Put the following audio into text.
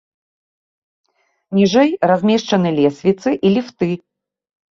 Ніжэй размешчаны лесвіцы і ліфты.